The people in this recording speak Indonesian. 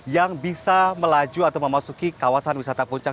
yang bisa melaju atau memasuki kawasan wisata puncak